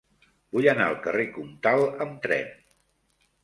Vull anar al carrer Comtal amb tren.